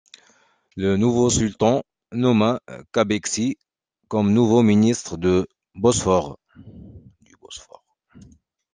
Le nouveau sultan nomma Kabakçı comme nouveau Ministre du Bosphore.